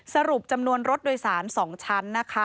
สรุปจำนวนรถโดยสารสองชั้น